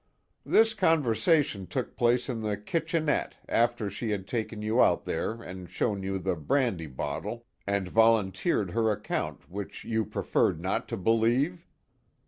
"This conversation took place in the kitchenette, after she had taken you out there and shown you the brandy bottle, and volunteered her account which you preferred not to believe?"